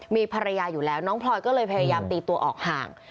มีภรรยาอยู่แล้วน้องพลอยก็เลยพยายามตีตัวออกห่าง